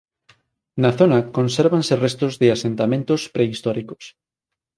Na zona consérvanse restos de asentamentos prehistóricos.